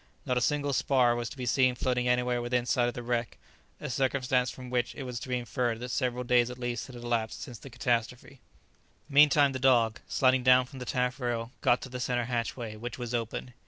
Not a single spar was to be seen floating anywhere within sight of the wreck, a circumstance from which it was to be inferred that several days at least had elapsed since the catastrophe. Meantime the dog, sliding down from the taffrail, got to the centre hatchway, which was open.